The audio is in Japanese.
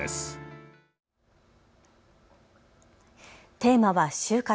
テーマは終活。